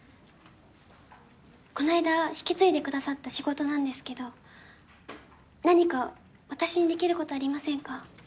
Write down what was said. この間引き継いでくださった仕事なんですけど何か私にできることありませんか？